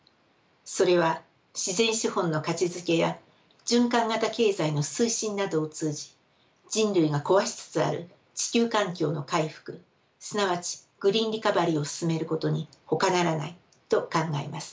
それは自然資本の価値づけや循環型経済の推進などを通じ人類が壊しつつある地球環境の回復すなわちグリーン・リカバリーを進めることにほかならないと考えます。